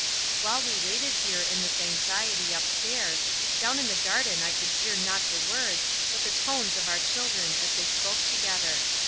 While we waited here in this anxiety up stairs, down in the garden I could hear not the words, but the tones of our children as they spoke together.